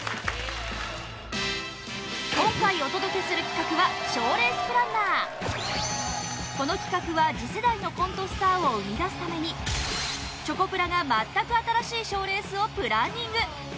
今回お届けする企画はこの企画は次世代のコントスターを生み出すためにチョコプラが全く新しい賞レースをプランニング